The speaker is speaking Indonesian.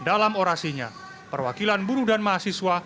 dalam orasinya perwakilan buruh dan mahasiswa